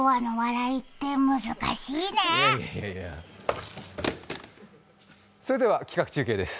いやいやそれでは企画中継です。